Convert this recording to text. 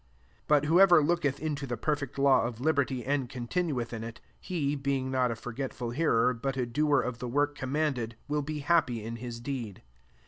25 But whoever looketh into the perfect law of liberty and continueth in it^ [he,] being not a forgetful hearer, but a doer of the work commanded, will be happy in his deed.